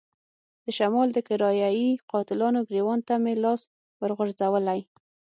د شمال د کرايه ای قاتلانو ګرېوان ته مې لاس ورغځولی.